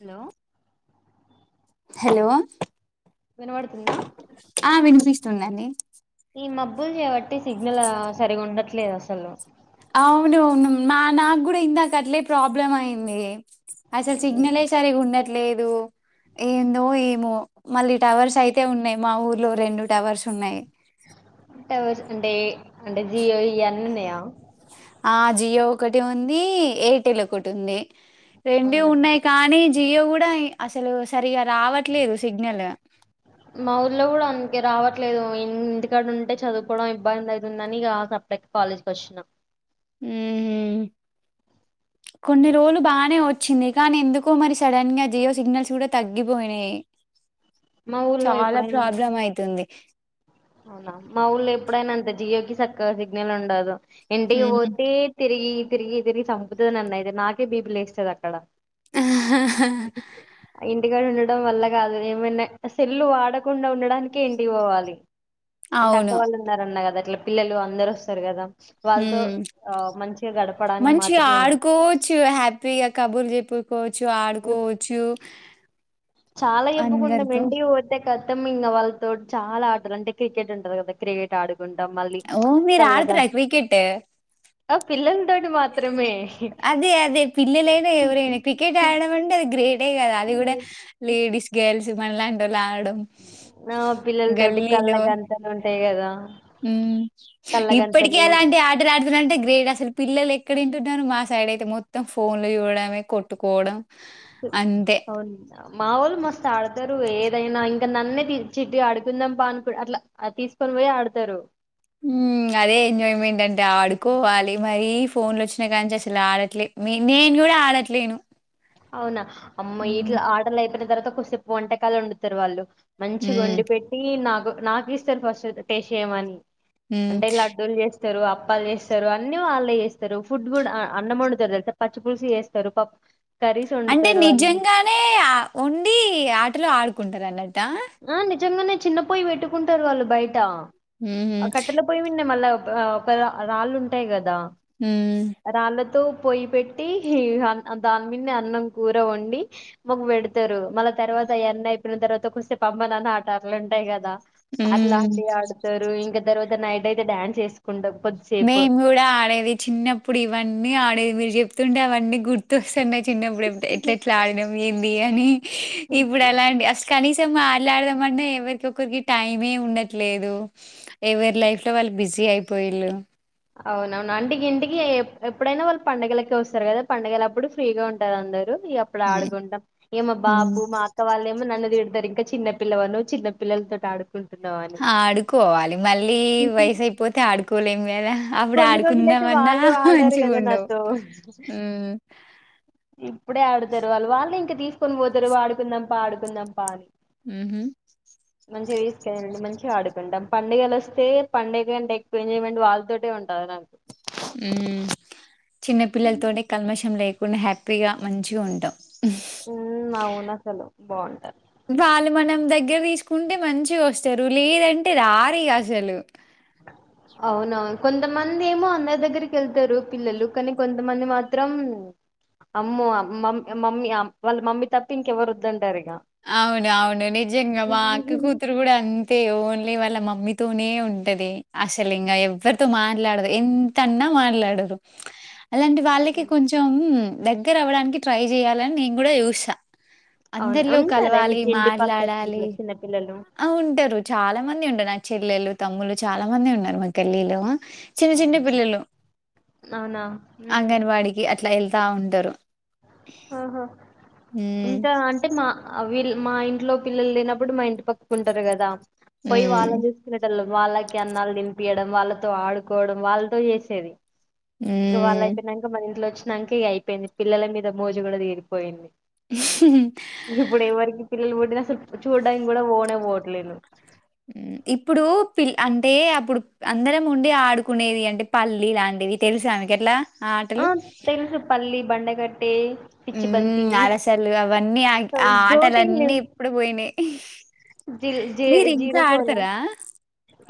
Hello hello వినబడుతుందా వుందని ఈ మబ్బులు చేవట్టి సిగ్నల్ సరిగా ఉండట్లేదు అసలు అవునువును మా నాకు గుడా ఇందాక అట్లే ప్రాబ్లం అయింది అసలు సిగ్నల్ సరిగా ఉండట్లేదు ఏందో ఏమో మళ్ళీ టవర్స్ అయితే ఉన్నాయ్ మా ఊర్లో రెండు టవర్స్ ఉన్నాయ్ టవర్స్ అంటే అంటే జియో ఇయాన్ని ఉన్నయా ఆ జియో ఒకటి ఉంది ఎయిర్టెల్ ఒకటి ఉంది రెండు అవును ఉన్నాయి కానీ జియో కూడా అసలు సరిగా రావట్లేదు సిగ్నల్ మా ఊర్లో గూడా అందుకే రావట్లేదు ఇంగ్ ఇంటికాడ ఉంటే చదువుకోవడం ఇబ్బంది అయోతుందని సపరేట్ కాలేజీకి వచ్చినాం ఊహు కొన్ని రోజులు బాకొన్నినే వచ్ వచ్చింది కానీ ఎందుకో మరి సడన్ గా జియో సిగ్నల్స్ కూడా తగ్గిపోయినాయి మా ఊర్లో చాలా ఎప్పుడైనా ప్రాబ్లం అయితుంది అవునా మా ఊళ్ళో ఎప్పుడైనా అంతే జియో క చక్కగా సిగ్నల్ ఉండదు ఇంటికి ఉహు పోతే తిరిగి తిరిగి తిరిగి చంపుతుంది అన్నయితే నాకే బీబ లే వస్తుది అక్కడ ఆ హ హ ఇగ ఉండడం వల్ల కాదు ఏమైనా సెల్లు వాడకుండా ఉండడానినికి ఇంటి పోవాలి అంటే అక్క అవును. వాళ్ళు ఉన్నారు అన్న కదా అట్లా పిల్లలు అందరు వస్తారు కదా వాళ్ళతో మ్ ఆ మంచిగా గడపడానికి మంచిగా మాత్రమే ఆడుకోవచ్చు హ్యాపీగా కబుర్ల్ చెప్పుకోవ చ్చు ఆడుకోవచ్చు చాలా చేప్పుకుంటమ్ అందరితో. ఎంటికి పోతే గతం ఇన్న వాళ్ళతో చాలా ఆటలు అంటే క్రికెట్ ఉంటారు కదా క్రికెట్ ఆడు కుంటామ్ మళ్ళీ ఓహ్! మీరు కల్లగా ఆడతారా క్రికెట్? ఆ పిల్లలతోటి మాత్రం అదే అదే పిల్లలైనా ఎవరైనా క్రికెట్ ఆడమంటే అది గ్రేట్ దే కదా అది కూడా లేడీస్ గేల్స్ మళ్ళా అంటారు. నావ పిల్లల్ తోటి కల్లగంఅంతలు ఉంటయి గదా ఉ ఇప్పటిక అలాంటి ఆటలు ఆడుతున్నార అంటే గ్రేట్ అసలు పిల్లలు ఇక్కడే ఎంట్ [inaudible] టరం మా సైడ్ అయితే మొత్తం ఫోన్లు ఇవ్వడమే కొట్టుకోవడం అంతే. అవును మా వొళ్ళు మస్త్ ఆడతారు ఏ ఏదైనా ఇంకా నన్నే చిట్ ఆడుకుందాం పా అని అట్లా తీసుకొని పోయి ఆడతారు మ్ అదే ఎంజాయ్మెంట్ అంటే ఆడుకోవాలి మరి ఫోన్లో వచ్చి నాయి కాని జస్ట్ ఆడట్లే మీ నేను కూడా ఆడట్లేను అవునా అమ్మ హ్మ్. ఇట్లా ఆటలు అయిపోయిన తర్వాత కొసేపు వంటకాలు వండుతారు వాళ్ళు మంచి హ్మ్. గొండి పెట్టి నాకు నాకు ఇస్తారు ఫస్ట్ టేస్ట్ చేయమని హ్మ్. అంటే లడ్డూలు చేస్తే స్తారు అప్పాల్ చేస్తారు అన్ని వాళ్ళే చేస్తారు ఫుడ్ కూడా అన్నం వండుతారు తెలుసా పచ్చి పులుసు వేస్తారు పప్ అంటే నిజంగానే వండి ఆటలు ఆడుకుంటారు అన్నట్టు ఆ నిజంగానే చిన్న పోయి పెట్టుకుంటారు వాళ్ళు బయట హుహు. ఆ కట్టెల పోయి విన్నే మళ్ళా అ ఒక రా రాళ్ళు ఉంటాయి కదా హ్మ్. రాళ్ళతో పొయ్యి పెట్టి దాని మిన్ మ్యాన్ అన్నం కూర వండి మాకు పెడతారు మళ్ళ తర్వా తద యన్నా అయిపోయిన తర్వాత కోసేప్ పమ్మనని ఆట అట్లుంటాయి కదా అట్లాంటివి హ్మ్. ఆడుతారు ఇంక తర్వాత ద నైట్ అయితే డ్యాన్స్ చేసుకుంటవు మేము కూడా ఆడేది చిన్నప్పుడు ఇవన్నీ ఆడేది మీరు చెప్తుంటే అవన్నీ గుర్తుొ స్త్ టన్నాయి చిన్న అప్పుడు అంతే ఎట్లా ఎట్లా ఆడడం ఏంది అని ఇప్పుడు అలాండి అస్ కానీసం తే మాట్లాడదాం మంటే ఎవరికి ఒకరికి టైమే ఉండట్లేదు ఎవరి లైఫ్ లో వాళ్ళు బిజీ ది అయిపోయిలు అవును అవునా అంటే ఇంటికి ఎప్పుడైనా వాళ్ళు పండుగలకి వస్తారు కదా పండగలు అప్పుడు ఫ్రీగా ఉంటారు అందరు అప్పుడు హ్మ్. ఆడుకుంటాం ఏ మా హ్మ్. బాబు మా అక్క వాళ్ళ ఏమో నన్నదిత దరి ఇంకా చిన్న పిల్ల వాళ్ళు చిన్న పల్లల్ తోటి ఆడు ఆడుకోవాలి మళ్ళీ వయసు అయిపోతే ఆడుకోలేంమ్ గదా అప్పుడు కొన్ని రోజులయితే ఆడుకుందామ్ అన్నా వాళ్ళు ఆడారు మంచి కదా గుఉండవు నాతో ఇప్పుడే ఆడుతారు వాళ్ళు వాళ్ళు ఇంకా తీసుకొని పోతారు ఆడుకుందాంపా ఆడుకుందాంపా అని ఉహు మంచిగా తీసుకండి మంచిగా ఆడుకుంటాం పండుగలు వస్తే పండగ అంటే ఎక్కువ ఎంజాయ్మెంట్ వాళ్ తోటే ఉంటద్ నాక్ మ్ చిన్న పిల్లల్ తో నే కల్మషం లేక్ కొన్ని హ్యాపీగా మంచిగా ఉంటామ్ ఉమ్ అవును అసలు బాగుంటారు వాళ్ళు మనం దగ్గర తీసుకు ఉంటే మంచిగా వస్తారు లేదంటే రారీగా అసలు అవునవును కొంతమంది ఏమో అందరి దగ్గరికి వెళ్తారు పిల్లలు కానీ కొంతమంది మాత్రం అమ్ మమ్ మమ్మీ వాళ్ళ మమ్మీ తప్పినకెవరు ఉద్దంటరి అవును అవును నిజంగా మా అక్క కూతురు కూడా అంతే ఓన్లీ వాళ్ళ మమ్మీ తూనే ఉంటది అసలు ఇంకా ఎవరితో మాట్లాడదు ఎంతన్నా మాట్లాడదు అలాంటి వాళ్ళకి కొంచెం దగ్గర అవ్వడానికి ట్రై చెయాలని నేను కూడా చూసా అవును ఉంటార మీకు ఇంటి పక్కకి మాట్లాడాలి. ఇట్లా చిన్నపిల్లలు ఆ ఉంటారు చాలా మంది ఉంటారు నా చెల్లెలు తమ్ములు చాలా మంది ఉన్నారు మా గల్లీలో చిన్న చిన్న అవును పిల్లలు అవునా ఉహు అంగన్వాడికి అట్లా వెళ్తా ఉంటారు ఆహా హ్మ్. ఇంకా అంటే మా వీళ్ళ మా ఇంట్లో పిల్లలు లేనప్పుడు మా ఇంటి పక్కుంటారు కదా పోయి హ్మ్. వాళ్ళని చూసుకునేటళ్ళ వాళ్ళకి అన్నాలు తినిపియడం వాళ్ళతో ఆడుకోవడం వాళ్ళతో చేసేది ఇ హ్మ్. వాళ్ళయిపోయినాక మన ఇంట్లో వచ్చినాక ఇక అయిపోయింది పిల్లల మీద మోజు కూడా తీరిపోయింది ఇప్పుడ వరకి పిల్లలుడి అ సలు చూడ కూడా పోనా బోటట్లేలు ఇప్పుడు పిల్ అంటే అప్పుడు అందరం ఉండి ఆడుకునేది అంటే పల్లి లాంటి అవి తెలుసా ఆమె ఎట్లా ఆ తెలుసు పల్లి బండగట్ ఉ అలసలు అవన్నీ ఆ ఆ ఆటలున్నీ ఇప్పుడు పోయినాయి జిల్ జ జీర పోల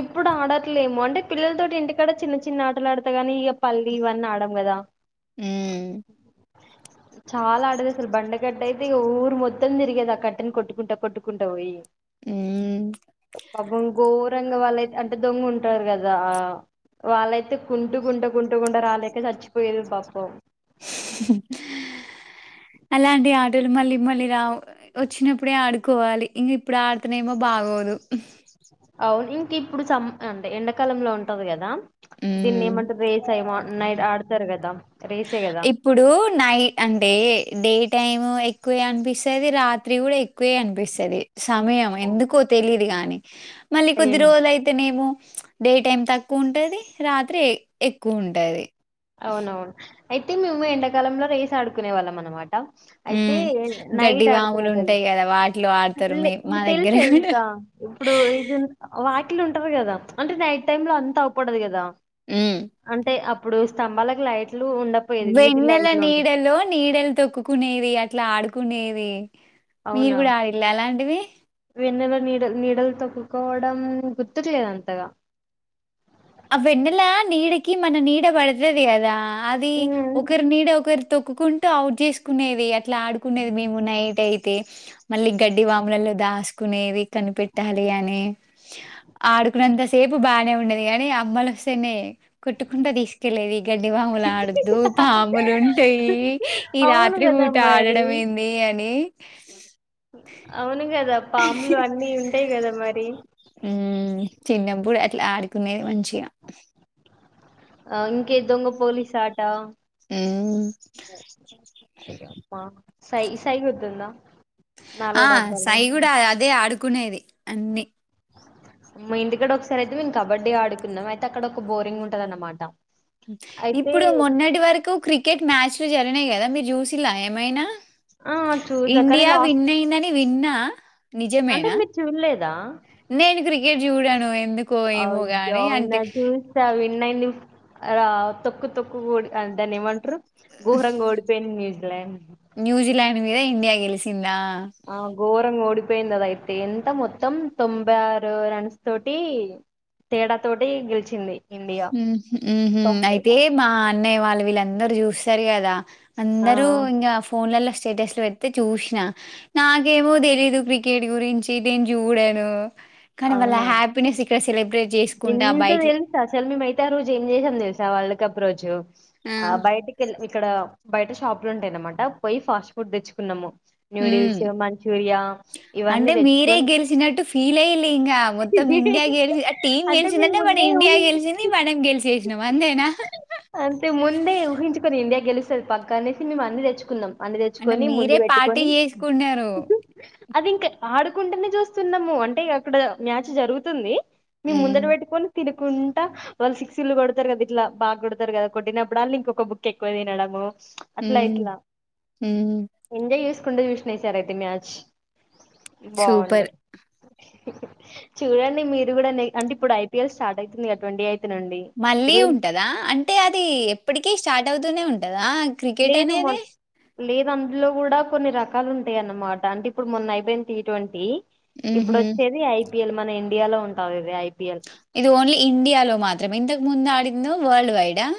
ఇప్పుడు ఆడట్లేమో అంటే పిల్లలతోటి ఇంటికాడ చిన్న చిన్న ఆటలు ఆడతా నీ ఇక పల్లి ఇవన్నీ ఆడ కదా ఉ ఉ చాలా ఆడది అసలు బండగట్ట అయితే ఇక ఊరు మొత్తం తిగేది ఆ కట్టని కొట్టుకుంటా కొట్టుకుంటా పోయి హ్మ్. పాబం గోరంగ వాళ్ళయితే అంటే దొంగ ఉంటారు కదా వాళ్ళైతే కుంటు గుంట కుంటు గుండ రాలేక చచ్చిపోయేది పాపం నవ్వు అలాంటి ఆటలు మళ్ళీ మళ్ళీ రావు వచ్చినప్పుడే ఆడుకోవాలి ఇంక ఇప్పుడు ఆడుతునే ఏమో బాగోదు అ ఇంక ఇప్పుడు అంటే ఎండాకాలంలో ఉంటంది కదా దీన్ని హ్మ్. ఏమంటే రేస్ అయ నైట్ ఆడతారు కదా రేసే కదా ఇప్పుడు నైట్ అంటే డే టైం ఎక్కువే అనిపిస్తుది రాత్రి కూడా ఎక్కువే అనిపిస్తుది సమయం ఎందుకో తెలిదు గాని మళ్లి కొద్దిరోజులు అయితే నేమో డే టైమ్ తక్కువ ఉంటది రాత్రి ఎక్కువ ఉంటది అవునవును అయితే మేము ఎండాకాలంలో రేసి ఆడుకునే వాళ్ళం అనమాట అయితే హ్మ్. గడ్డి నైట్ ఆడుకునేటళ్ళు వాములుంటాయి గదా! వాటిలో ఆడతారు మీ ఇక మా దగ్గర తెలుసా గూడా. ఇంకా ఇప్పుడు ఇది వా ఉంటారు కదా అంటే నైట్ టైంలో అంత అవపడదు కదా హ్మ్. అంటే అప్పుడు స్తంభాలకు లైట్ వెన్నెల నీడలో నీడలు తొక్కుకునేది అట్లా ఆడుకునేది మీరు అవునా కూడా ఆడిండ్ర అలాంటివి వెన్నెల నీడ నీడలు తొక్కుకోవడం గుర్తులేదు అంతగా ఆ వెన్నెల నీడకి మన నీడ పడుతుది కదా అది హ్మ్. ఒకరి నీడ ఒకరు తొక్కుంటూ అవుట్ చేసుకునేది అని ఇట్లా ఆడుకునేది మేము నైట్ అయితే మళ్ళీ గడ్డి వాములలో దాసు కునేవి కనిపెట్టాలి అని ఆడుకున్నంత సేపు బానే ఉండేది కాని అమ్మాలు సనే కొట్టుకుంటా తీసుకెళ్లేది గడ్డి వాముల ఆడద్దు పాములు ఉంటాయి ఈ అవును రాత్రి కదా పూట మరి. ఆడడం ఏంది అని అవును కదా పాములు అన్నీ ఉంటాయి కదా మరి ఊ చిన్నప్పుడు అట్లా ఆడుకునేది మంచిగా ఆ ఇంకే దొంగ పోలీసు ఆట మ్మ్. అబ్బో [unintelligible] ఇగ పా సై సై గుతుందా ఆ సై కూడా అదే ఆడుకునేది అన్నీ మా ఇంటికాడ ఒకసారి అయితే మేము కబడ్డీ ఆడుకున్నాం అయితే అక్కడ ఒక బోరింగ్ ఉంటదనమాట ఇప్పుడు మొన్నటి వరకు క్రికెట్ మ్యాచ్లు జరిగినాయి కదా మీరు చూసిలా ఏమైనా ఆ చూసా కానీ ఇండియా లాస్ట్ విన్నయిందని విన్నా అంటే నిజమేనా మీరు చూడలేదా నేను క్రికెట్ చూడాను అయ్యో అవునా చూస్తా వి నైనిప్ రా తొక్కు తొక్కు కూడా దాని ఏమంట్రూ ఘోరంగా ఓడిపోయింది న్యూ న్యూజిలాండ్ మీద ఇండియా గెలిసిందా ఆ గోరంగ ఓడి పోయింది అద అయితే ఎంత మొత్తం తొంభై ఆరు రన్స్ తోటి తేడా తోటి గెలిచింది ఇండియా ఉహ్ ఊహు తొంభై అయితే మా అన్నయ్య వాళ్ళు వీళ్ళందరు చూస్తారు కదా ఆ అందరూ ఇంగ ఫోన్లల ష్ స్టేటస్ లు పెడితే చూసిన నాకేమో తెలీదు క్రికెట్ గురించి నేన్ చూడను కానీ వాళ్ళ అవునా హ్యాపీనెస్ ఇక్కడ సెలబ్రేట్ చేసుకుంటే ఆ బైక్ ఈ తె అ రోజు ఏం చేసాం తెలుసా వరల్డ్ కప్ రోజు ఆ బయటికి కెలం ఇక్కడ బయట షాపులు ఉంటాయి అనమాట పోయి ఫాస్ట్ ఫుడ్ తెచ్చుకున్నము హ్మ్. నూడిల్స్ ఇగ మంచూరియా ఇవన్నీ తెచ్చుకొని లెయ్ ఈలింగ మొత్తం ఇండియా గెలిచ ఆ టీమ్ అంటే మేము గెలిచందంటే మనం ముందే ఇండియా ఊహించు గెలిచింది మనం గెలిచేసినం అ అంతేన అంతే ముందే ఊహించుకుని ఇండియా గెలుస్తే పక్క అనేసి మేము అన్ని తెచ్చుకున్నం అన్ని అంటే తెచ్చుకొని ముందు మీరే పార్టీ పెట్టుకొని జేసుకున్నారు. అది ఇంకా ఆడుకుంటేనే చూస్తున్నాము అంటే అక్కడ మ్యాచ్ జరుగుతుంది మేం హ్మ్. ముందట పెట్టుకని తిను కుంటా వాళ్ళు సిక్స్లు కొడతారు కదా ఇట్లా బాగా కొడతారు కదా కొట్టినప్పుడల్ల ఇంకొక బుక ఎక్కువ తినడము అట్లా హ్మ్. ఇట్లా హ్మ్. ఎంజయస్ కుండా చూసిన ఈసారయితే మ్యాచ్ బాగుండే సూపర్. చూడండి మీరు కూడా అంటే ఇప్పుడు ఐపీఎల్ స్టార్ట్ ఐతుంది కదా ట్వంటీ ఎయిట్ మళ్ళీ ఉంటదా అంటే అది ఎప్పటికీ స్టార్ట్ అవుతూనే ఉం కదా క్రికెట్ లేదు మొ అనేది లేదు అందులో కూడా కొన్ని రకాలు ఉంటాయి అన్నమాట అంటే ఇప్పుడు మొన్న అయిపొయింది టీ ట్వంటీ ఇప్పుడు హుహు. వచ్చేది ఐపిఎల్ మన ఇండియాలో ఉంటాది ఇది ఐపీ ఇది ఓన్లీ ఇండియా లో మాత్రం మే ఇంతకు ముందు ఆడిందేమో వరల్డ్ వైడ్ ఆ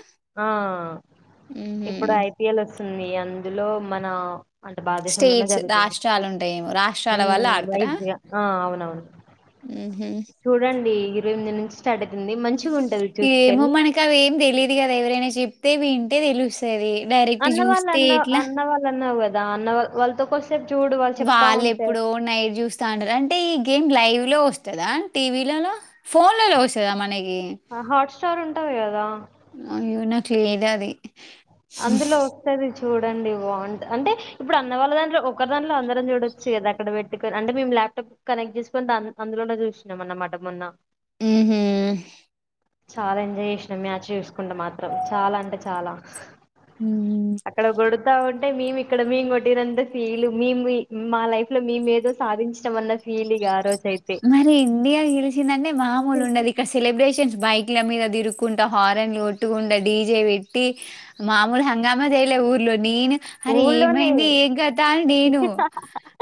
ఆ ఇప్పుడు ఐపిఎల్ వస్తుంది అందులో మన అంటే భారదేశంలోనే స్టేట్స్ జరుగుతది రాష్ట్రాలుంటాయేమో. ఊ రాష్ట్రాల వాళ్ళు వైజ్ గా ఆ అవునవును ఊహు రుంది నుంచి స్టార్ట్ అవుతుంది మంచి ఏమో మనకు అవేమి తెలిదు కదా ఎవరైనా చెప్తే వింటే తెలుస్ సరే డైరెక్ట్ జూస్తే ఎట్లా దాన్న వాల్ వాల్తో కొస్ వాళ్ళు ఎప్పుడో నైట్ చూస్తా ఉంటారు అంటే ఈ గేమ్ లైవ్ లో వస్ తదా టీవీలల ఫోన్లలో వస్తదా మనకి హాట్ స్టార్ ఉంటది కదా అయ్యో నాక్ లేదది ది అందులో వస్తది చూడండి బాగుంట అంటే ఇప్పుడు అన్న వాళ్ళ దాంట్లో ఒకరు దాంట్లో అందరం చూడచ్చు కదా అక్కడ పెట్టుకని అంటే మే ల్యాప్టాప్ కనెక్ట్ చేసుకునీ దా అందులోనే చూసినాం అనమట మొన్న ఉహు చాలా ఎంజాయ్ చేసినాం మ్యాచ్ చూసుకుంట మాత్రం చాలా అంటే చాలా హ్మ్. అక్కడ కొడుతా ఉం అంటే మేము ఇక్కడ మేము కొట్టినంత ఫీల్ మేము మా లైఫ్ లో మేము ఏదో సాధించడం అన్న ఫీల్ ఇగ రోజు అయితే మరి ఇండియా గెలిచందన్నే మామూలు ఉండదు ఇక సెలబ్రేషన్స్ బై ల మీద దిరుక్కుంట హారన్లు కొట్టుకు డీజే పెట్టి మామూలు హంగామా చేయలే ఊర్లో నేనే అరే ఊళ్ళోనే ఏమైంది ఏం కత అ నేను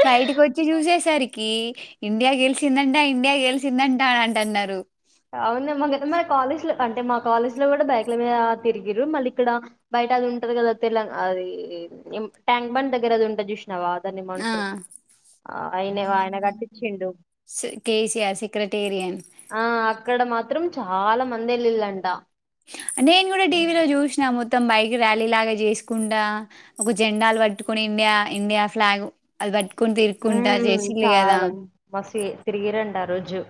బయటికి వచ్చి చూసేసరికి ఇండియా గెలిచిందంట ఇండియా గెలిచిందట అంటన్నారు అవును మా మన కాలేజ్ లో అంటే మా కాలేజ్ లో కూడా బైక్ల మీద తిరిగిరు మళ్ళీ ఇక్కడ బై అది ఉంటంది కద తె అది ట్యాంక్ బండ్ దగ్గర ఆది ఉంటది చు నావ దాన్ని ఆ! ఏమంటారు ఆ అయిన ఆయన కట్టిచ్చిండు స్ కేసీఆర్ సెక్రటేరియన్ ఆ అక్కడ మాత్రం చాలా మంది వెల్లిళ్ళంట నేను కూడా టీవీలో చూసినా మొత్తం మొత్తం బైక్ ర్యాలీ లాగా చేసుకుంట ఒక జెండాలు పట్టుకుని ఇండియా ఇండియా స్లాగ్ ఆది పట్ ఉ చాలా మస్తు తిరిగిరంట ఆ రోజు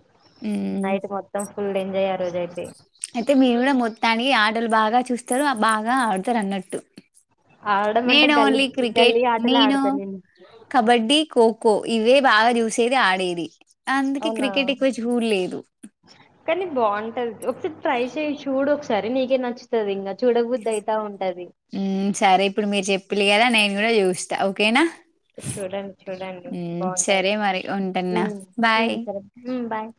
హ్మ్. నైట్ మొత్తం ఫుల్ ఎంజాయ్ ఆ రోజు అయితే అయితే మీరు కూడా మొత్తానికి ఆటలు బాగా చూస్తారు బాగా ఆడతారు అన్నట్టు ఆడడం అంటే నేను గల్లీ ఓన్లీ క్రికెట్ గల్లీ ఆటలే నేను ఆడతా కబడ్డి ఖోఖో ఖో ఇవే బాగా చూసేది ఆడేది అందుకే అవునా క్రికెట్ ఎక్కువ చూడ లేదు కానీ బాగుంటది ఒకసారి ట్రై చెయ్ చూడు ఒకసారి నీకే నచ్చుతది ఇంకా చూడ బుద్ది అయిత ఉంట ఊ సరే ఇప్పుడు మీరు చెప్పిళ్ళు కదా నేను కూడా చూస్తా ఓకేనా చూడండి చూడండి మ్మ్, బాగుంటది సరే మరి ఉ ఉంటున్నా ఉ బాయ్ సరే ఉ బాయ్